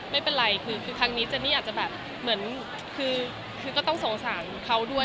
ไม่เป็นไรคือครั้งนี้เจนนี่อาจจะแบบเหมือนคือก็ต้องสงสารเขาด้วย